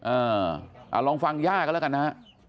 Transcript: เออลองฟังย่าก็แล้วกันนะ